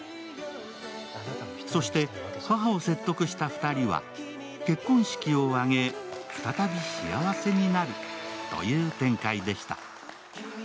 そして、母を説得した２人は結婚式を挙げ再び幸せになるという展開でした。